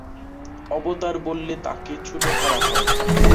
অবতার বললে তাঁকে ছোট করা হয়।